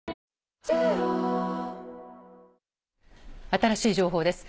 新しい情報です。